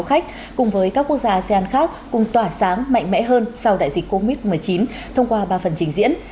các quốc gia asean khác cùng tỏa sáng mạnh mẽ hơn sau đại dịch covid một mươi chín thông qua ba phần trình diễn